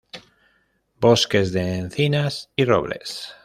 Bosques de encinas y robles.